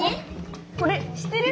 これ知ってる？